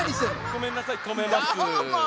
ごめんなさいとめます。